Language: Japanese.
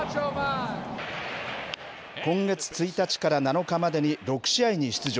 今月１日から７日までに６試合に出場。